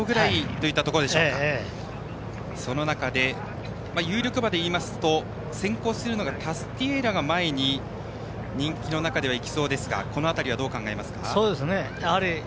その中で有力馬でいいますと先行するのがタスティエーラが前に人気の中では行きそうですがこの辺りはどう考えますか？